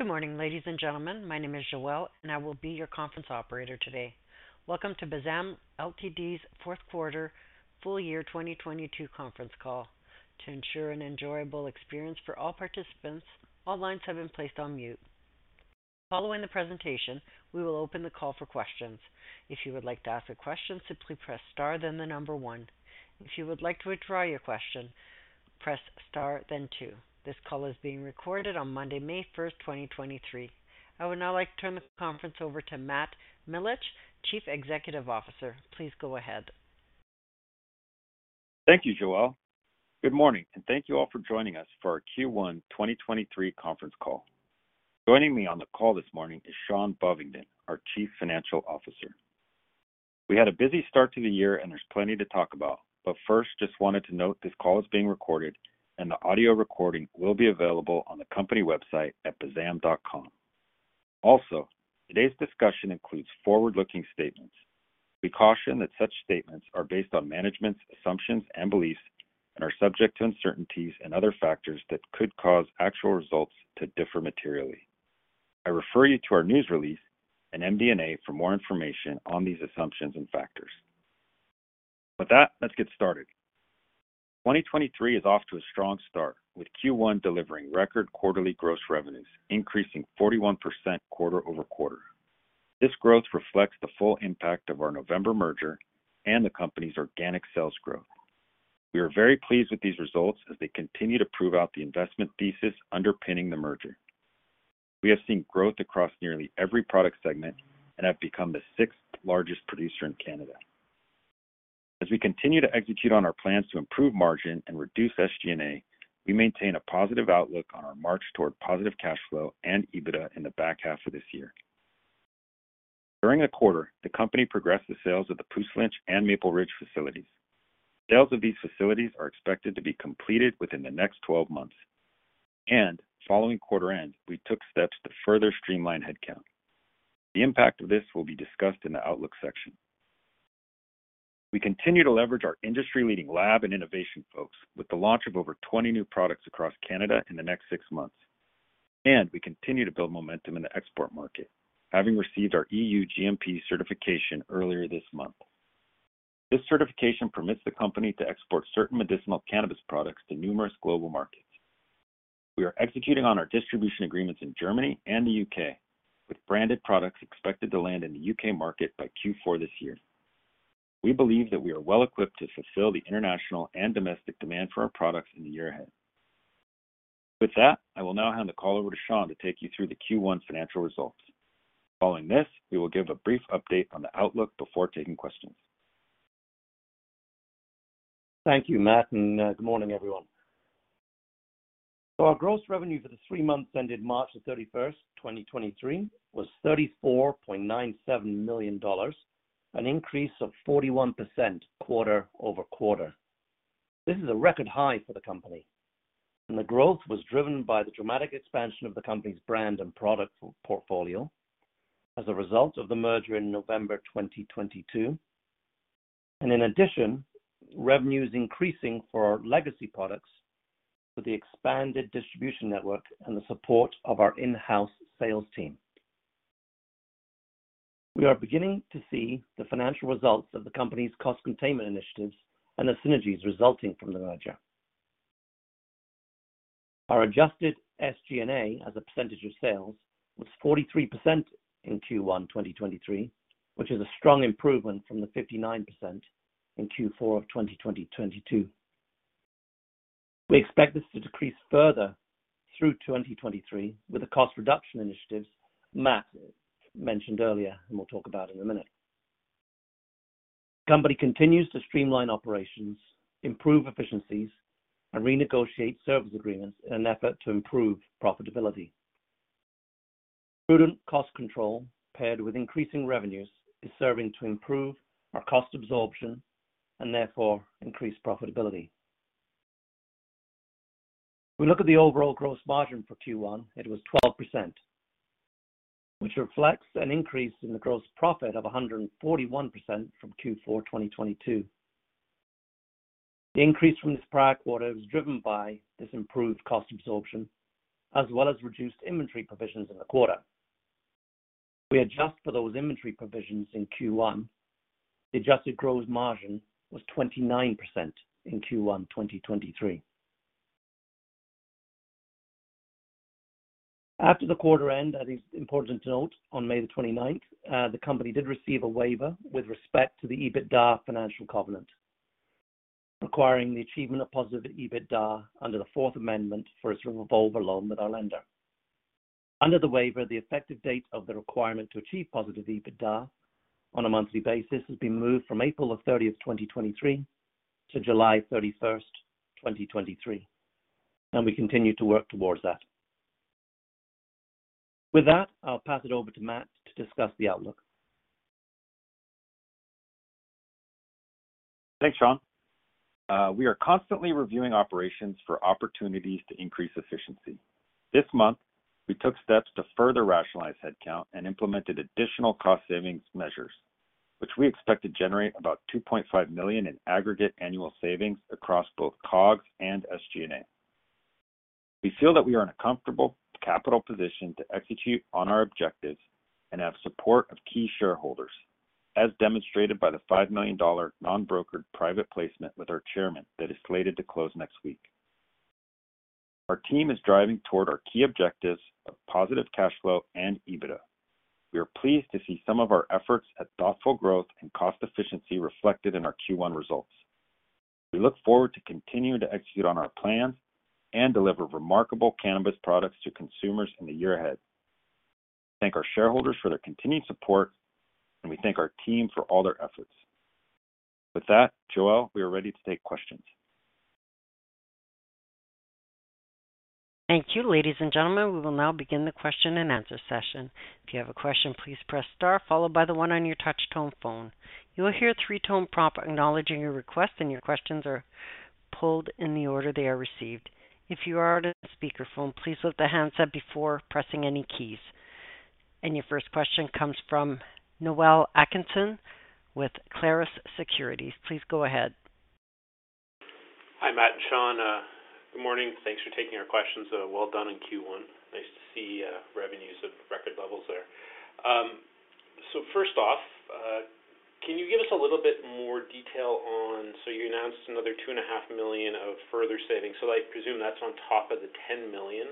Good morning, ladies and gentlemen. My name is Joelle. I will be your conference operator today. Welcome to BZAM Ltd.'s fourth quarter, full year, 2022 conference call. To ensure an enjoyable experience for all participants, all lines have been placed on mute. Following the presentation, we will open the call for questions. If you would like to ask a question, simply press star, then one. If you would like to withdraw your question, press star then two. This call is being recorded on Monday, May first, 2023. I would now like to turn the conference over to Matt Milich, Chief Executive Officer. Please go ahead. Thank you, Joelle. Good morning, thank you all for joining us for our Q1 2023 conference call. Joining me on the call this morning is Sean Bovingdon, our Chief Financial Officer. We had a busy start to the year there's plenty to talk about, first, just wanted to note this call is being recorded, and the audio recording will be available on the company website at bzam.com. Today's discussion includes forward-looking statements. We caution that such statements are based on management's assumptions and beliefs and are subject to uncertainties and other factors that could cause actual results to differ materially. I refer you to our news release in MD&A for more information on these assumptions and factors. Let's get started. 2023 is off to a strong start, with Q1 delivering record quarterly gross revenues, increasing 41% quarter-over-quarter. This growth reflects the full impact of our November merger and the company's organic sales growth. We are very pleased with these results as they continue to prove out the investment thesis underpinning the merger. We have seen growth across nearly every product segment and have become the sixth-largest producer in Canada. As we continue to execute on our plans to improve margin and reduce SG&A, we maintain a positive outlook on our march toward positive cash flow and EBITDA in the back half of this year. During the quarter, the company progressed the sales of the Puslinch and Maple Ridge facilities. Sales of these facilities are expected to be completed within the next 12 months, and following quarter end, we took steps to further streamline headcount. The impact of this will be discussed in the outlook section. We continue to leverage our industry-leading lab and innovation folks with the launch of over 20 new products across Canada in the next six months, and we continue to build momentum in the export market, having received our EU GMP certification earlier this month. This certification permits the company to export certain medicinal cannabis products to numerous global markets. We are executing on our distribution agreements in Germany and the U.K., with branded products expected to land in the U.K. market by Q4 this year. We believe that we are well equipped to fulfill the international and domestic demand for our products in the year ahead. With that, I will now hand the call over to Sean to take you through the Q1 financial results. Following this, we will give a brief update on the outlook before taking questions. Thank you, Matt, and good morning, everyone. Our gross revenue for the three months ended March 31, 2023, was 34.97 million dollars, an increase of 41% quarter-over-quarter. This is a record high for the company, and the growth was driven by the dramatic expansion of the company's brand and product portfolio as a result of the merger in November 2022. In addition, revenue is increasing for our legacy products with the expanded distribution network and the support of our in-house sales team. We are beginning to see the financial results of the company's cost containment initiatives and the synergies resulting from the merger. Our adjusted SG&A, as a percentage of sales, was 43% in Q1 2023, which is a strong improvement from the 59% in Q4 2022. We expect this to decrease further through 2023 with the cost reduction initiatives Matt mentioned earlier. We'll talk about in a minute. The company continues to streamline operations, improve efficiencies, and renegotiate service agreements in an effort to improve profitability. Prudent cost control, paired with increasing revenues, is serving to improve our cost absorption and therefore increase profitability. If we look at the overall gross margin for Q1, it was 12%, which reflects an increase in the gross profit of 141% from Q4 2022. The increase from this prior quarter was driven by this improved cost absorption, as well as reduced inventory provisions in the quarter. We adjust for those inventory provisions in Q1. The adjusted gross margin was 29% in Q1 2023. After the quarter end, I think it's important to note on May 29th, the company did receive a waiver with respect to the EBITDA financial covenant, requiring the achievement of positive EBITDA under the Fourth Amendment for its revolve along with our lender. Under the waiver, the effective date of the requirement to achieve positive EBITDA on a monthly basis has been moved from April 30th, 2023, to July 31st, 2023, and we continue to work towards that. With that, I'll pass it over to Matt to discuss the outlook. Thanks, Sean. We are constantly reviewing operations for opportunities to increase efficiency. This month, we took steps to further rationalize headcount and implemented additional cost savings measures, which we expect to generate about 2.5 million in aggregate annual savings across both COGS and SG&A. We feel that we are in a comfortable capital position to execute on our objectives and have support of key shareholders, as demonstrated by the 5 million dollar non-brokered private placement with our chairman that is slated to close next week. Our team is driving toward our key objectives of positive cash flow and EBITDA. We are pleased to see some of our efforts at thoughtful growth and cost efficiency reflected in our Q1 results. We look forward to continuing to execute on our plan and deliver remarkable cannabis products to consumers in the year ahead. We thank our shareholders for their continued support, and we thank our team for all their efforts. With that, Joelle, we are ready to take questions. Thank you. Ladies and gentlemen, we will now begin the question-and-answer session. If you have a question, please press star followed by the 1 on your touch-tone phone. You will hear a three-tone prompt acknowledging your request. Your questions are pulled in the order they are received. If you are on speakerphone, please lift the handset before pressing any keys. Your first question comes from Noel Atkinson with Clarus Securities. Please go ahead. Hi, Matt and Sean. Good morning. Thanks for taking our questions. Well done in Q1. Nice to see revenues at record levels there. First off, can you give us a little bit more detail on... You announced another 2.5 million of further savings. I presume that's on top of the 10 million.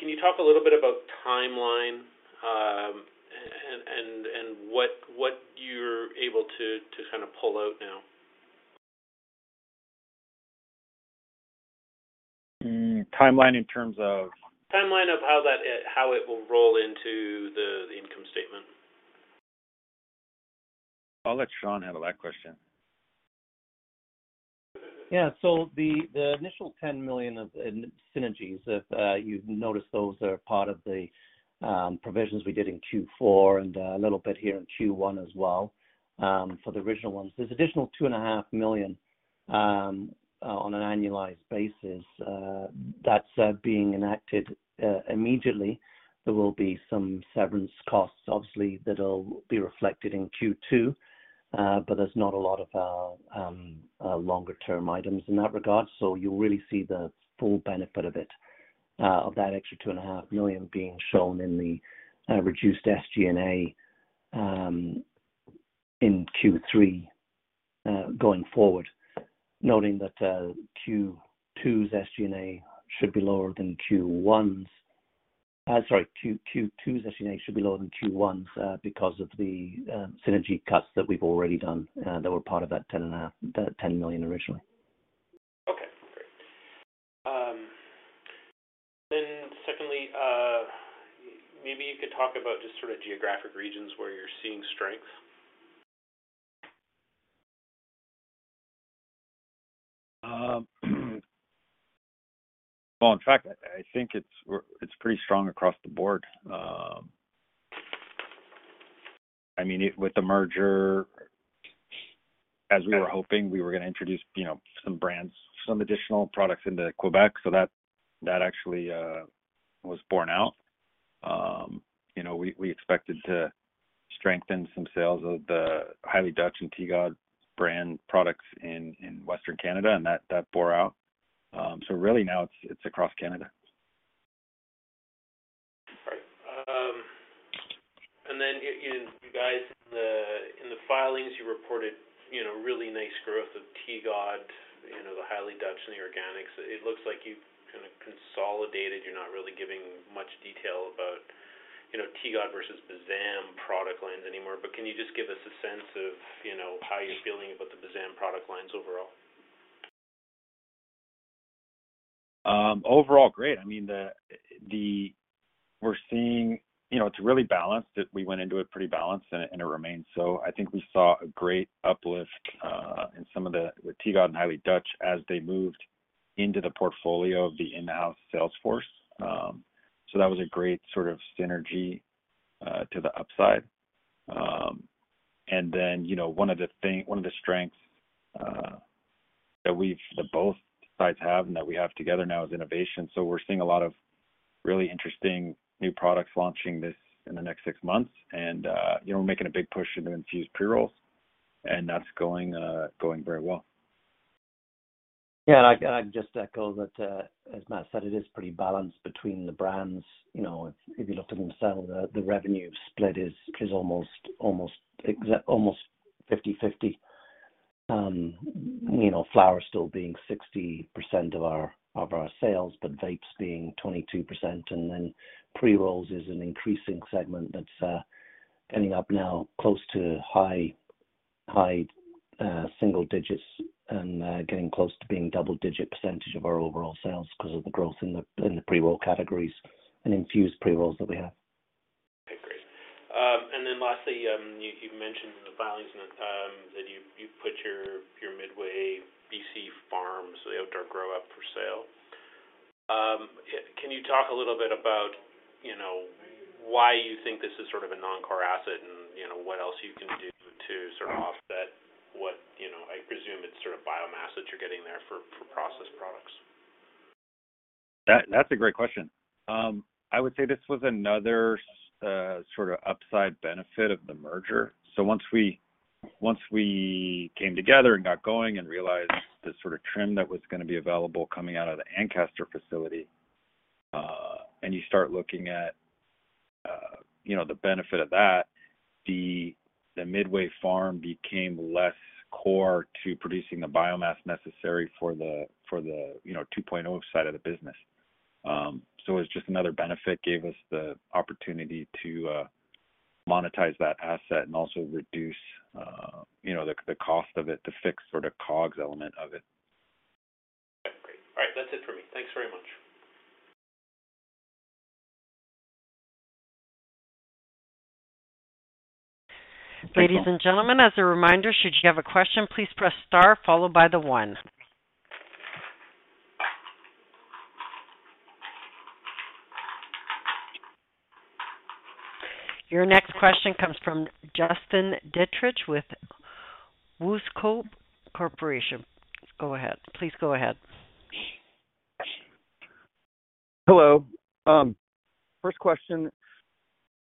Can you talk a little bit about timeline, and what you're able to kind of pull out now? timeline in terms of? Timeline of how that, how it will roll into the income statement. I'll let Sean handle that question. The initial 10 million of in synergies, if you've noticed, those are part of the provisions we did in Q4 and a little bit here in Q1 as well, for the original ones. There's additional 2.5 million on an annualized basis that's being enacted immediately. There will be some severance costs, obviously, that'll be reflected in Q2, but there's not a lot of longer-term items in that regard. So you'll really see the full benefit of it, of that extra 2.5 million being shown in the reduced SG&A in Q3 going forward, noting that Q2's SG&A should be lower than Q1's. Sorry, Q2's SG&A should be lower than Q1's, because of the synergy cuts that we've already done, that were part of that 10 million originally. Okay, great. Secondly, maybe you could talk about just sort of geographic regions where you're seeing strength. Well, in fact, I think it's pretty strong across the board. I mean, with the merger, as we were hoping, we were going to introduce, you know, some brands, some additional products into Quebec. That actually was borne out. You know, we expected to strengthen some sales of the Highly Dutch and TGOD brand products in Western Canada, and that bore out. Really now it's across Canada. Right. Then, you guys, in the filings, you reported, you know, really nice growth of TGOD, you know, the Highly Dutch and the Organics. It looks like you've kind of consolidated. You're not really giving much detail about, you know, TGOD versus BZAM product lines anymore. Can you just give us a sense of, you know, how you're feeling about the BZAM product lines overall? Overall, great. I mean, the... We're seeing, you know, it's really balanced. We went into it pretty balanced, and it, and it remains so. I think we saw a great uplift, in some of the, with TGOD and Highly Dutch as they moved into the portfolio of the in-house sales force. That was a great sort of synergy, to the upside. You know, one of the strengths, that we've, that both sides have and that we have together now is innovation. We're seeing a lot of really interesting new products launching this, in the next six months, and, you know, we're making a big push into infused pre-rolls, and that's going very well. Yeah, I'd just echo that, as Matt said, it is pretty balanced between the brands. You know, if you look at them themselves, the revenue split is almost 50-50. You know, flower still being 60% of our sales, but vapes being 22%, and then pre-rolls is an increasing segment that's ending up now close to high single digits and getting close to being double-digit percentage of our overall sales because of the growth in the pre-roll categories and infused pre-rolls that we have. Okay, great. Lastly, you mentioned in the filings, that you put your Midway, BC farms, the outdoor grow up for sale. Can you talk a little bit about, you know, why you think this is sort of a non-core asset and, you know, what else you can do to sort of offset what, you know, I presume it's sort of biomass that you're getting there for processed products? That's a great question. I would say this was another sort of upside benefit of the merger. Once we came together and got going and realized the sort of trim that was going to be available coming out of the Ancaster facility, and you start looking at, you know, the benefit of that, the Midway Farm became less core to producing the biomass necessary for the, you know, 2.0 side of the business. It's just another benefit, gave us the opportunity to monetize that asset and also reduce, you know, the cost of it, the fixed sort of COGS element of it. Okay, great. All right, that's it for me. Thanks very much. Ladies and gentlemen, as a reminder, should you have a question, please press star followed by the one. Your next question comes from Justin Dietrich with Wooscobe Corporation. Go ahead. Please go ahead. Hello. first question,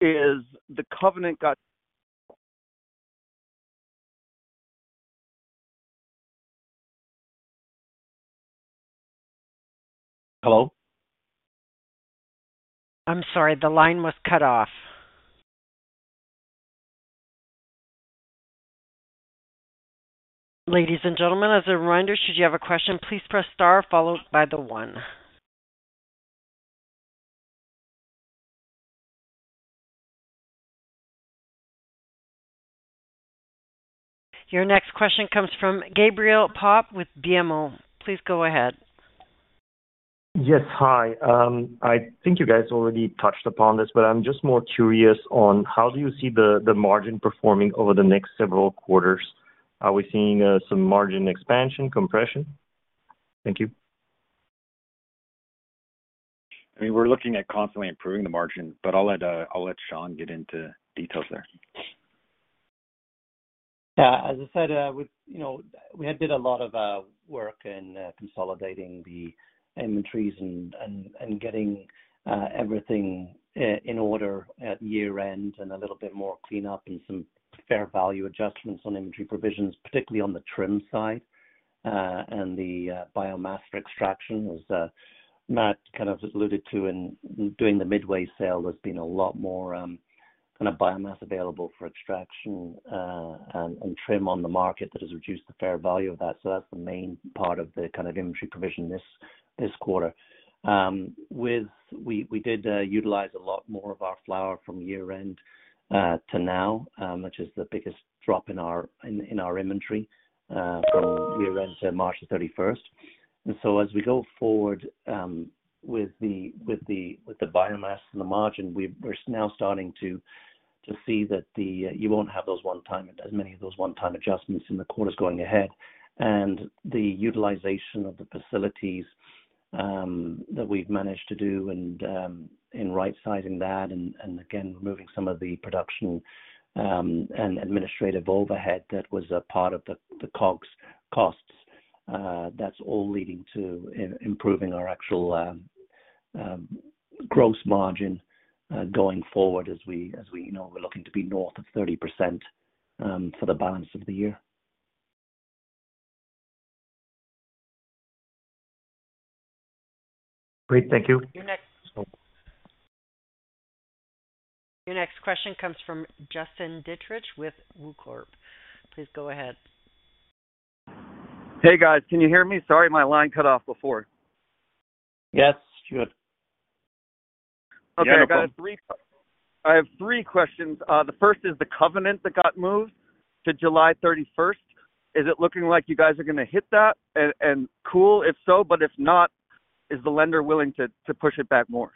is the covenant Hello? I'm sorry, the line was cut off. Ladies and gentlemen, as a reminder, should you have a question, please press star followed by the one. Your next question comes from Tamy Chen with BMO. Please go ahead. Yes, hi. I think you guys already touched upon this, but I'm just more curious on how do you see the margin performing over the next several quarters? Are we seeing some margin expansion, compression? Thank you. I mean, we're looking at constantly improving the margin, but I'll let, I'll let Sean get into details there. Yeah, as I said, we, you know, we had did a lot of work in consolidating the inventories and getting everything in order at year-end and a little bit more cleanup and some fair value adjustments on inventory provisions, particularly on the trim side, and the biomass for extraction. As Matt kind of alluded to in doing the Midway sale, there's been a lot more kind of biomass available for extraction, and trim on the market. That has reduced the fair value of that, so that's the main part of the kind of inventory provision this quarter. We did utilize a lot more of our flower from year-end to now, which is the biggest drop in our inventory from year-end to March the thirty-first. As we go forward, with the biomass and the margin, we're now starting to see that you won't have those one-time, as many of those one-time adjustments in the quarters going ahead. The utilization of the facilities that we've managed to do and in right-sizing that and again, removing some of the production and administrative overhead, that was a part of the COGS costs. That's all leading to improving our actual gross margin going forward as we, as we know, we're looking to be north of 30% for the balance of the year. Great. Thank you. Your next- So. Your next question comes from Justin Dietrich with Woo Corp. Please go ahead. Hey, guys, can you hear me? Sorry, my line cut off before. Yes, sure. Yeah. Okay. I have three questions. The first is the covenant that got moved to July 31st. Is it looking like you guys are going to hit that? Cool, if so, but if not, is the lender willing to push it back more?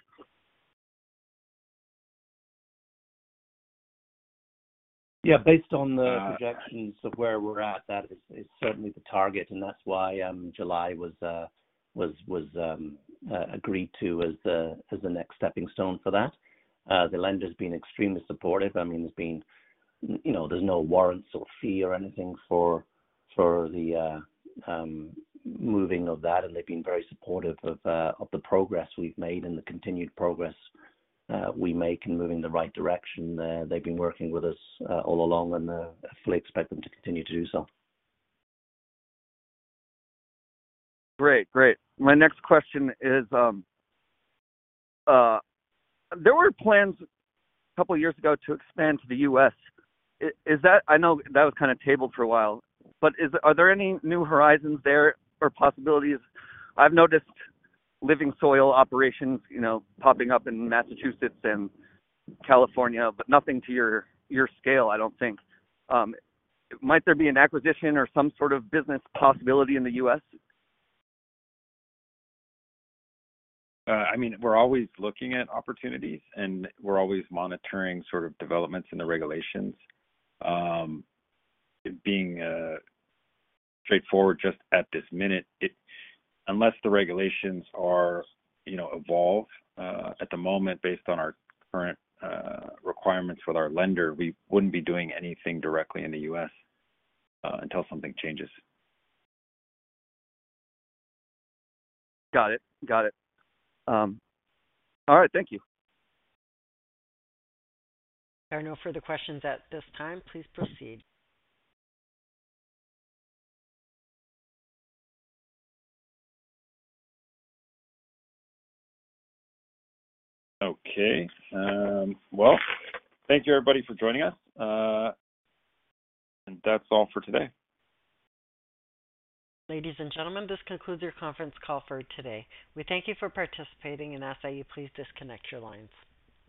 Based on the projections of where we're at, that is certainly the target, and that's why July was agreed to as the next stepping stone for that. The lender's been extremely supportive. I mean, there's been, you know, there's no warrants or fee or anything for the moving of that, and they've been very supportive of the progress we've made and the continued progress we make in moving in the right direction. They've been working with us all along, and I fully expect them to continue to do so. Great. My next question is, there were plans a couple of years ago to expand to the U.S. I know that was kind of tabled for a while, but is, are there any new horizons there or possibilities? I've noticed living soil operations, you know, popping up in Massachusetts and California, but nothing to your scale, I don't think. Might there be an acquisition or some sort of business possibility in the U.S.? I mean, we're always looking at opportunities, and we're always monitoring sort of developments in the regulations. Being straightforward, just at this minute, Unless the regulations are, you know, evolved, at the moment, based on our current requirements with our lender, we wouldn't be doing anything directly in the U.S. until something changes. Got it. Got it. All right, thank you. There are no further questions at this time. Please proceed. Okay, well, thank you, everybody, for joining us. That's all for today. Ladies and gentlemen, this concludes your conference call for today. We thank you for participating and ask that you please disconnect your lines.